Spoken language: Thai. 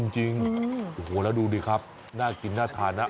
จริงโอ้โหแล้วดูดิครับน่ากินน่าทานนะ